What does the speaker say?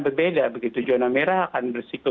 berbeda begitu jurnal merah akan berisiko